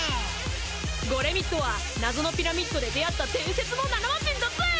ゴレミッドは謎のピラミッドで出会った伝説の７マジンだぜーい！